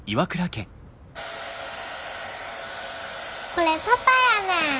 これパパやねん。